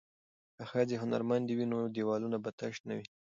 که ښځې هنرمندې وي نو دیوالونه به تش نه وي.